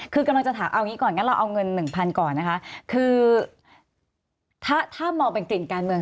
ถูกความว่าวันนี้เป็นเรื่องของ๑๐๐๐บาท